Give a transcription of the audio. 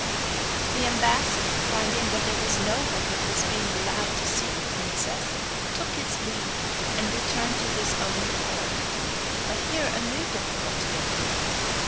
The ambassador, finding that there was no hope of his being allowed to see the princess, took his leave, and returned to his own court; but here a new difficulty appeared.